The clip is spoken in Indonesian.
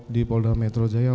di polda metro jaya